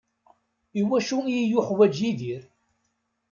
I wacu iyi-yuḥwaǧ Yidir?